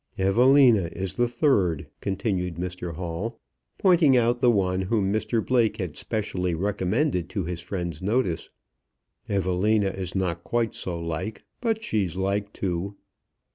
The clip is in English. "Evelina is the third," continued Mr Hall, pointing out the one whom Mr Blake had specially recommended to his friend's notice. "Evelina is not quite so like, but she's like too."